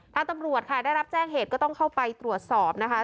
ตำรวจค่ะได้รับแจ้งเหตุก็ต้องเข้าไปตรวจสอบนะคะ